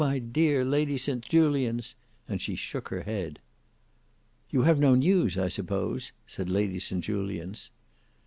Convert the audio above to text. my dear Lady St Julians!" and she shook her head. "You have no news, I suppose," said Lady St Julians.